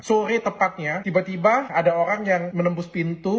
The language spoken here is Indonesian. sore tepatnya tiba tiba ada orang yang menembus pintu